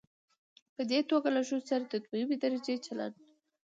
په دې توګه له ښځو سره د دويمې درجې چلن